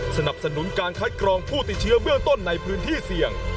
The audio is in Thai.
สนับสนุนการคัดกรองผู้ติดเชื้อเบื้องต้นในพื้นที่เสี่ยง